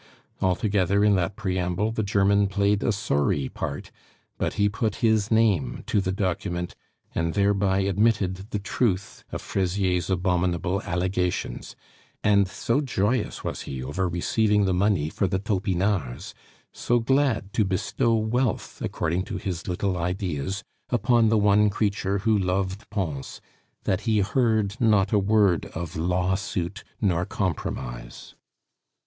Altogether, in that preamble the German played a sorry part, but he put his name to the document, and thereby admitted the truth of Fraisier's abominable allegations; and so joyous was he over receiving the money for the Topinards, so glad to bestow wealth according to his little ideas upon the one creature who loved Pons, that he heard not a word of lawsuit nor compromise.